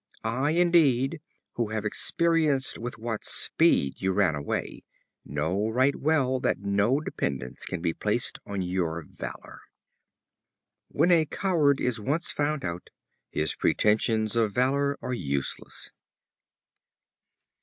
I, indeed, who have experienced with what speed you ran away, know right well that no dependence can be placed on your valor." When a coward is once found out, his pretensions of valor are useless.